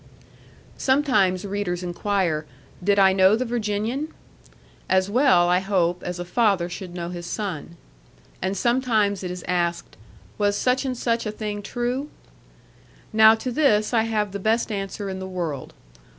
Sometimes readers inquire, Did I know the Virginian? As well, I hope, as a father should know his son. And sometimes it is asked, Was such and such a thing true? Now to this I have the best answer in the world.